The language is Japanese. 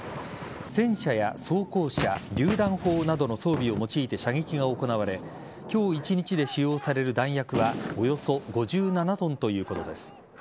戦車や装甲車、りゅう弾砲などの装備を用いて射撃が行われ今日一日で使用される弾薬はおよそ５７ｔということです。